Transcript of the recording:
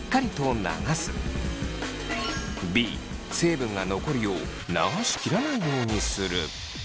Ｂ成分が残るよう流し切らないようにする。